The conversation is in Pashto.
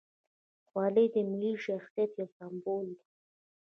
خولۍ د ملي شخصیت یو سمبول دی.